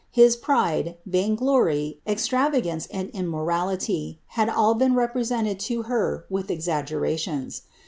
His pride, [lory, extravagance, and immorality, had all been represented to ith exaggerations.